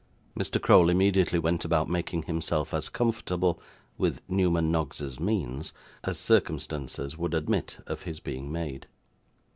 Mr. Crowl immediately went about making himself as comfortable, with Newman Nogg's means, as circumstances would admit of his being made.